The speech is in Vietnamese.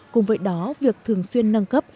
cùng với đó việc thường xuyên nâng cấp